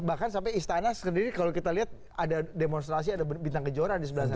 bahkan sampai istana sendiri kalau kita lihat ada demonstrasi ada bintang gejora di sebelah sana